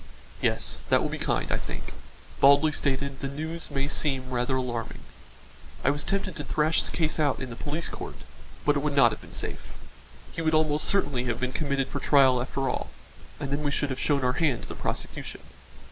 "Yes, that will be kind, I think; baldly stated, the news may seem rather alarming. I was tempted to thrash the case out in the police court, but it would not have been safe. He would almost certainly have been committed for trial after all, and then we should have shown our hand to the prosecution."